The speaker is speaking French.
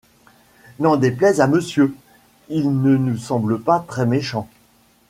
N’en déplaise à monsieur, ils ne me semblent pas très méchants !